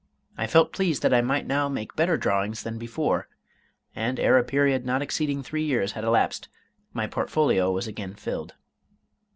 I felt pleased that I might now make better drawings than before; and ere a period not exceeding three years had elapsed, my portfolio was again filled."